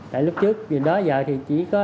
tại lúc trước vì đó giờ thì chỉ có